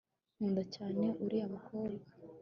nkunda cyane uriya mukobwa